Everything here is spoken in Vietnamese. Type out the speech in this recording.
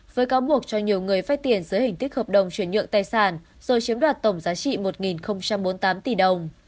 với cáo buộc cho nhiều người vay tiền dưới hình thức hợp đồng chuyển nhượng tài sản rồi chiếm đoạt tổng giá trị một bốn mươi tám tỷ đồng